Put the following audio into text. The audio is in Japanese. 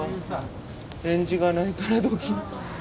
返事がないからドキッ。